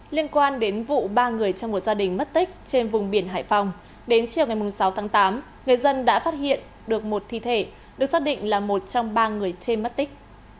liên quan đến vụ ba người trong một gia đình mất tích trên vùng biển hải phòng đến chiều ngày sáu tháng tám người dân đã phát hiện được một thi thể được xác định là một trong ba người trên mất tích